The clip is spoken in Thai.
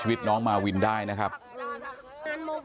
ยายก็นั่งร้องไห้ลูบคลำลงศพตลอดเวลา